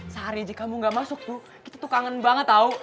sehari aja kamu gak masuk tuh kita tuh kangen banget tau